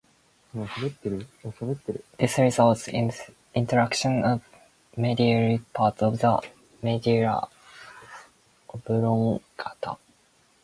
This results in the infarction of medial part of the medulla oblongata.